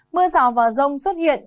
mưa rào vào rông xuất hiện